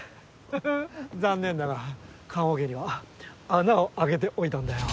フフ残念だが棺桶には穴を開けておいたんだよ。